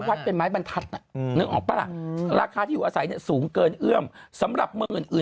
วาดเป็นไม้บันทัตริย์ราคาที่อยู่อาสัยสูงเกินเอื้อมสำหรับเมือง